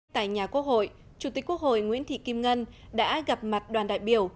tại nhà quốc hội chủ tịch quốc hội nguyễn thị kim ngân đã gặp mặt đoàn đại biểu